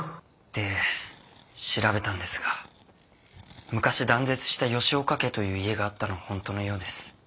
で調べたんですが昔断絶した吉岡家という家があったのは本当のようです。